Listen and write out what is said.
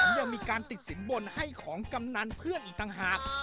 ยังมีการติดสินบนให้ของกำนันเพื่อนอีกต่างหาก